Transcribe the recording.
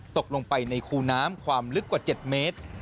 ตกลงไปในคูน้ำความลึกกว่า๗เมตร